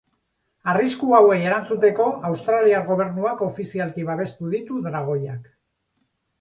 Arrisku hauei erantzuteko, australiar gobernuak ofizialki babestu ditu dragoiak.